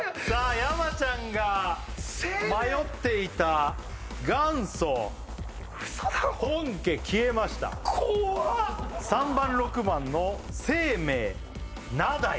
山ちゃんが迷っていた盛名元祖本家消えましたウソだろこわっ３番６番の盛名名代